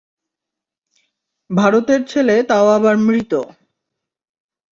ভারতের ছেলে তাও আবার মৃত।